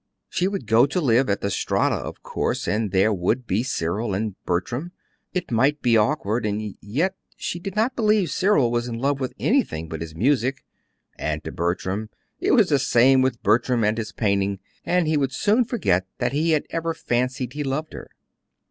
She would go to live at the Strata, of course; and there would be Cyril and Bertram. It might be awkward, and yet she did not believe Cyril was in love with anything but his music; and as to Bertram it was the same with Bertram and his painting, and he would soon forget that he had ever fancied he loved her.